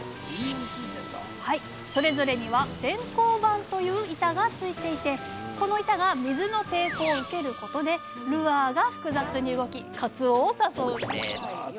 それぞれには潜航板という板がついていてこの板が水の抵抗を受けることでルアーが複雑に動きかつおを誘うんですあ